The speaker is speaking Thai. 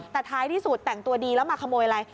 แต่ท้ายที่สุดแต่งตัวดีแล้วมาขโมยอะไร